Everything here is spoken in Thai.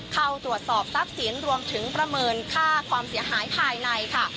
เข้าตรวจสอบทรัพย์สินรวมถึงประเมินค่าความเสียหายภายในค่ะ